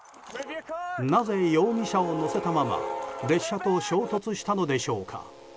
なぜ容疑者を乗せたまま列車と衝突したのでしょうか。